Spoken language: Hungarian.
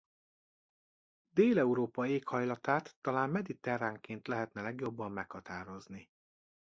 Dél-Európa éghajlatát talán mediterránként lehetne legjobban meghatározni.